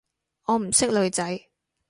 我唔識女仔